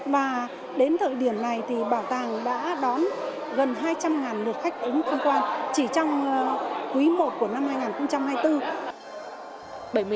và đến thời điểm này thì bảo tàng đã đón gần hai trăm linh lượt khách ứng tham quan chỉ trong quý i của năm hai nghìn hai mươi bốn